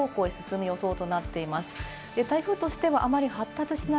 このあと北東方向へ進む予想となっています。